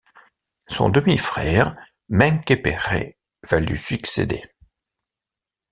Son demi-frère Menkhéperrê va lui succéder.